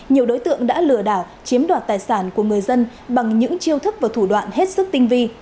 nhiều đối tượng đã lừa đảo chiếm đoạt tài sản của người dân bằng những chiêu thức và thủ đoạn hết sức tinh vi